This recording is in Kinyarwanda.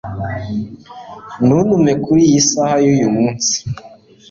ntuntume kuriyi saha yumunsi